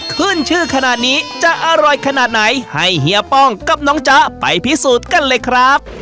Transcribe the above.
ขึ้นชื่อขนาดนี้จะอร่อยขนาดไหนให้เฮียป้องกับน้องจ๊ะไปพิสูจน์กันเลยครับ